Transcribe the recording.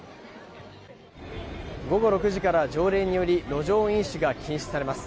午後６時から条例により路上飲酒が禁止されます。